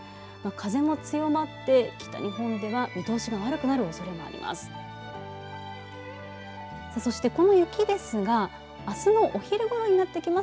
風も強まって北日本では見通しが悪くなるおそれがあります。